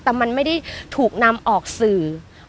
แต่มันไม่ได้ถูกนำออกสื่อ